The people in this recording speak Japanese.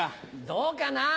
どうかな。